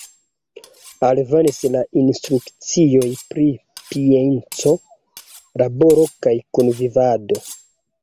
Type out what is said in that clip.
Alvenas la instrukcioj pri pieco, laboro kaj kunvivado.